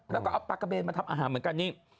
แล้วก็เอาปลากระเบนมาทำอาหารเหมือนกันนี่